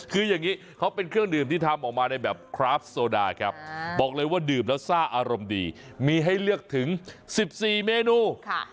คืออย่างนี้เขาเป็นเครื่องดื่มที่ทำออกมาในแบบคราฟโซดาครับบอกเลยว่าดื่มแล้วซ่าอารมณ์ดีมีให้เลือกถึง๑๔เมนู